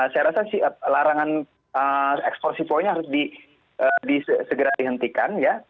saya rasa sih larangan eksplosifnya harus disegera dihentikan ya